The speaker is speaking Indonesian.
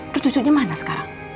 terus cucunya mana sekarang